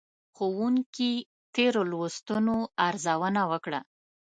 ښوونکي تېرو لوستونو ارزونه وکړه.